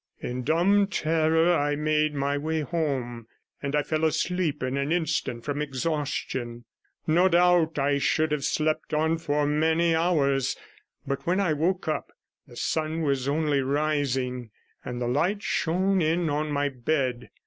In dumb terror I made my way home, and I fell asleep in an instant from exhaustion. No doubt I should have slept on for many hours, but when I woke up the sun was only rising, and the light shone in on my bed.